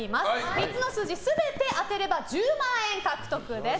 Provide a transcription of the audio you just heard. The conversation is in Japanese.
３つの数字全て当てれば１０万円獲得です。